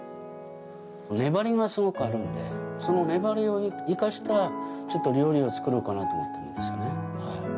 粘りがすごくあるのでその粘りを生かした料理を作ろうかなって思っているんですよね。